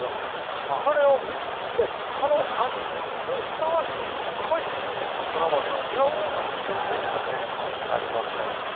それを見とってこの味にふさわしい濃いそら豆のにおうような味がねありますのでね